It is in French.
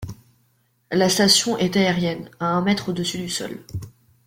La station est aérienne, à un mètre au-dessus du sol.